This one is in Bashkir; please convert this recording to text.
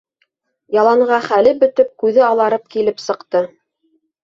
Яланға хәле бөтөп, күҙе аларып килеп сыҡты.